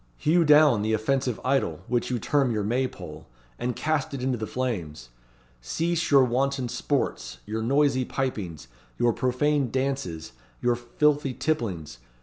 Hew down the offensive idol, which you term your May pole, and cast it into the flames! Cease your wanton sports, your noisy pipings, your profane dances, your filthy tipplings.